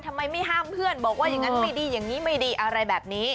ทำไมไม่ห้ามเพื่อนบอกว่าอย่างนั้นไม่ดีอย่างนี้ไม่ดีอะไรแบบนี้